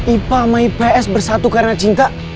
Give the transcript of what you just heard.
ipa sama ips bersatu karena cinta